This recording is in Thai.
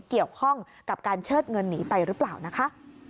เกี่ยวข้องกับการเชิดเงินหนีไปหรือเปล่านะคะ